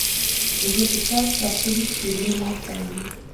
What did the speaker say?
І ў гэты час праходзіць хвіліна маўчання.